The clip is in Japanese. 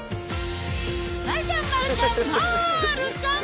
丸ちゃん、丸ちゃん、まーるちゃん。